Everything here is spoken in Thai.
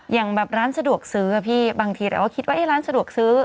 อย่างแบบร้านสะดวกซื้อพี่บางทีเราก็คิดว่าร้านสะดวกซื้อ